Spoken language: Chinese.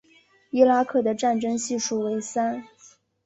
伊拉克的战争系数为三。